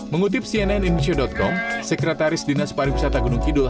mengutip cnn indonesia com sekretaris dinas pariwisata gunung kidul